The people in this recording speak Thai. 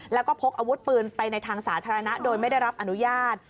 แล้วก็พกอาวุธปืนไปในทางสาธารณะโดยไม่ได้รับอนุญาต